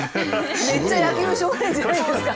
めっちゃ野球少年じゃないですか。